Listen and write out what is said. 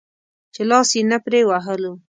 چې لاس يې نه پرې وهلو.